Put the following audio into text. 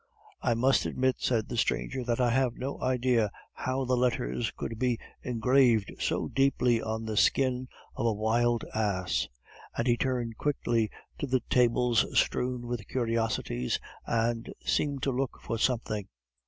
"I must admit," said the stranger, "that I have no idea how the letters could be engraved so deeply on the skin of a wild ass." And he turned quickly to the tables strewn with curiosities and seemed to look for something.